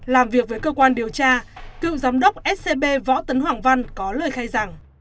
làm việc với cơ quan điều tra cựu giám đốc scb võ tấn hoàng văn có lời khai rằng